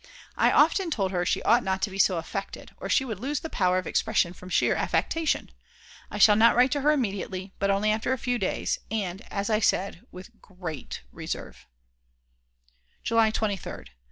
She often told her she ought not to be so affected, or she would lose the power of expression from sheer affectation. I shall not write to her immediately, but only after a few days, and, as I said, with great reserve. July 23rd.